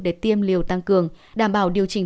để tiêm liều tăng cường đảm bảo điều trình